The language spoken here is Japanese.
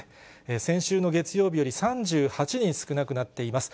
先週の月曜日より３８人少なくなっています。